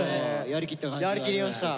やりきりました！